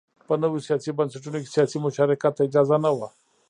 په نویو سیاسي بنسټونو کې سیاسي مشارکت ته اجازه نه وه.